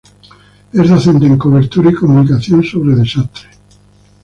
Es docente en cobertura y comunicación sobre desastres.